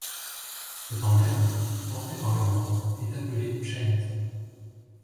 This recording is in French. Cet emblème porté par le roi est appelé Pschent.